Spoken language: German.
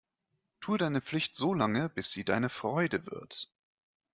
Tue deine Pflicht so lange, bis sie deine Freude wird.